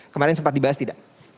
kemarin sempat dibahas tidak